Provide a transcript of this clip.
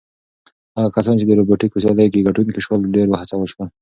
هغه کسان چې د روبوټیک په سیالیو کې ګټونکي شول ډېر وهڅول شول.